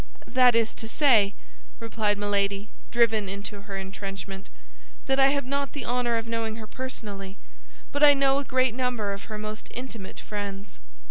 "That is to say," replied Milady, driven into her entrenchment, "that I have not the honor of knowing her personally; but I know a great number of her most intimate friends.